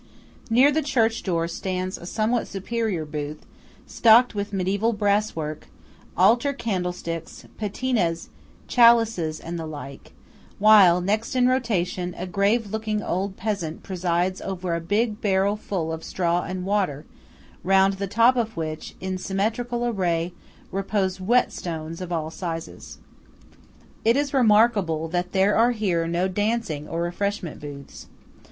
Near the church door stands a somewhat superior booth stocked with mediæval brass work, altar candlesticks, patinas, chalices and the like; while, next in rotation, a grave looking old peasant presides over a big barrel full of straw and water, round the top of which, in symmetrical array, repose whetstones of all sizes. It is remarkable that there are here no dancing or refreshment booths.